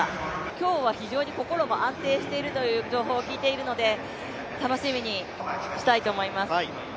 今日は心もとても安定しているという情報も聞いているので楽しみにしたいと思います。